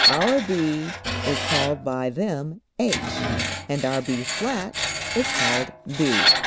our B is called by them H, and our B[flat] is called B.